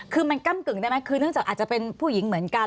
คือมันก้ำกึ่งได้ไหมคือเนื่องจากอาจจะเป็นผู้หญิงเหมือนกัน